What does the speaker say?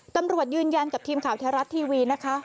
ตำรวจยืนยันกับทีมข่าวแท้รัฐทีวีนะคะ